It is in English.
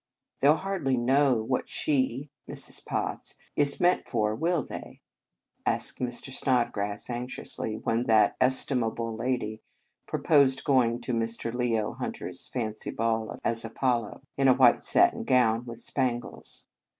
" They 11 hardly know what she " (Mrs. Potts) " is meant for, will they?" asks Mr. Snod grass anxiously, when that estimable lady proposes going to Mrs. Leo Hunter s fancy ball as Apollo, in a white satin gown with spangles.